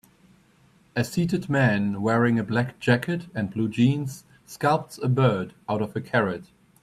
A seated man wearing a black jacket and blue jeans sculpts a bird out of a carrot.